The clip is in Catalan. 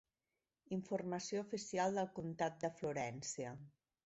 Informació oficial del comptat de Florència.